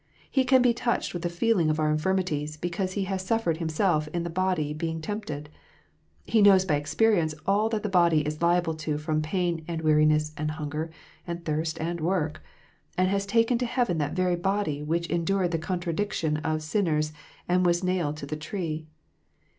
He can be touched with the feeling of our infirmities, because He has suffered Himself in the body being tempted. He knows by experience all that the body is liable to from pain, and weariness, and hunger, and thirst, and work ; and has taken to heaven that very body which endured the contradiction of sinners and was nailed to the tree.